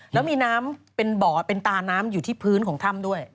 แล้วมีน้ำเป็นบ่อเป็นตาน้ำอยู่ที่พื้นของถ้ำด้วย